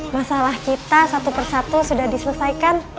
masalah kita satu persatu sudah diselesaikan